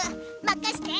まかして。